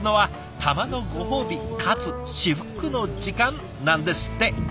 たまのご褒美かつ至福の時間なんですって。